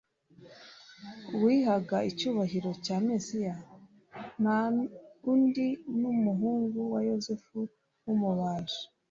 Uwihaga icyubahiro cya Mesiya, nta undi ni umuhungu wa Yosefu w'umubaji,